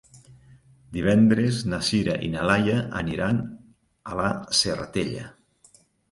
Divendres na Sira i na Laia aniran a la Serratella.